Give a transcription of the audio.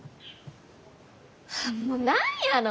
もう何やの！